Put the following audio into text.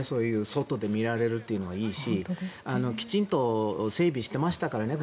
外で見られるっていうのはいいしきちんと整備していましたからね。